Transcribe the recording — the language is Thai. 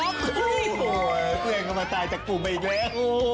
โอ้โฮเพื่อนก็มาตายจากกลุ่มไปอีกแล้ว